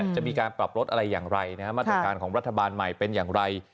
จะมีการปรับลดอะไรอย่างไรมาตรการของรัฐบาลใหม่เป็นอย่างไร